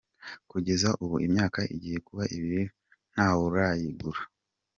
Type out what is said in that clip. Kugeza ubu imyaka igiye kuba ibiri nta wurayigura.